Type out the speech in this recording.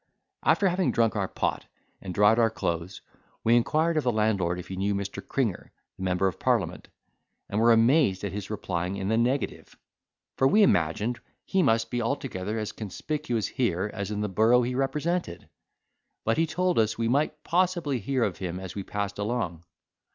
After having drunk our pot, and dried our clothes, we inquired of the landlord if he knew Mr. Cringer, the member of parliament, and were amazed at his replying in the negative; for we imagined he must be altogether as conspicuous here as in the borough he represented; but he told us we might possibly hear of him as we passed along.